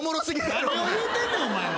何を言うてんねんお前は。